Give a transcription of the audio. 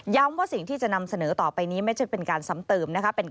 ว่าสิ่งที่จะนำเสนอต่อไปนี้ไม่ใช่เป็นการซ้ำเติมนะคะ